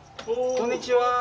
こんにちは。